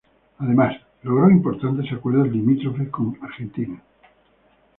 Además, logró importantes acuerdos limítrofes con Argentina.